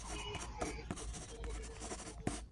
গানের ব্যস্ততার ফাঁকে কোনো গল্প ভালো লাগলে তবেই অভিনয়ে রাজি হই।